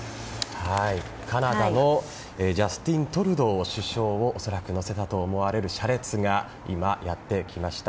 カナダのジャスティン・トルドー首相を恐らく乗せたと思われる車列がやってきました。